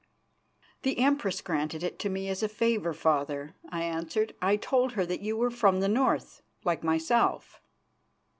"The Empress granted it to me as a favour, Father," I answered. "I told her that you were from the North, like myself."